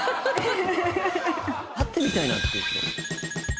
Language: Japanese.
会ってみたいなっていう人。